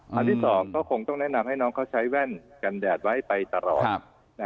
อันที่๒ก็คงต้องแนะนำให้น้องเขาใช้แว่นกันแดดไว้ไปตลอด